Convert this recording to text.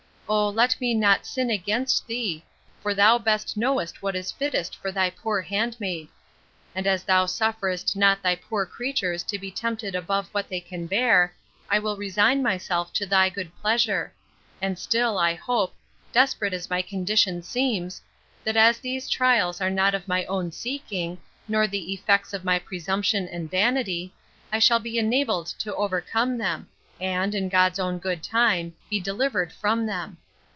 O let me not sin against thee; for thou best knowest what is fittest for thy poor handmaid!—And as thou sufferest not thy poor creatures to be tempted above what they can bear, I will resign myself to thy good pleasure: And still, I hope, desperate as my condition seems, that as these trials are not of my own seeking, nor the effects of my presumption and vanity, I shall be enabled to overcome them, and, in God's own good time, be delivered from them.